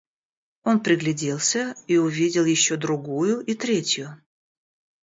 Он пригляделся и увидел еще другую и третью.